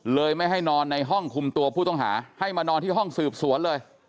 ไม่ให้นอนในห้องคุมตัวผู้ต้องหาให้มานอนที่ห้องสืบสวนเลย